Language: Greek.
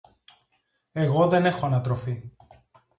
Εγώ δεν έχω ανατροφή